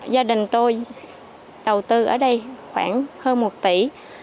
gia đình tôi đầu tư ở đây khoảng hơn một tỷ